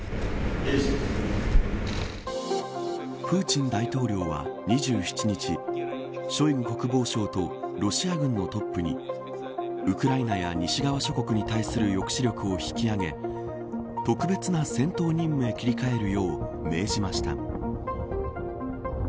プーチン大統領は、２７日ショイグ国防相とロシア軍のトップにウクライナや西側諸国に対する抑止力を引き上げ特別な戦闘任務へ切り替えるよう命じました。